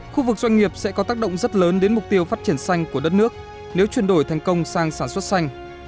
khu vực doanh nghiệp sẽ có tác động rất lớn đến mục tiêu phát triển xanh của đất nước nếu chuyển đổi thành công sang sản xuất xanh